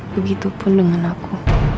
begitupun dengan aku